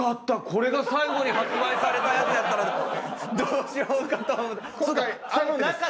これが最後に発売されたやつやったらどうしようかと思った。